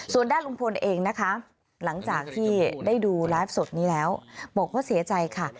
ส่วนด้านลุงพลเองนะคะหลังจากที่ได้ดูไลฟ์สดนี้แล้วบอกว่าเสียใจค่ะ